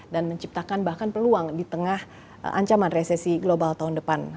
dan menciptakan bahkan peluang di tengah ancaman resesi global tahun depan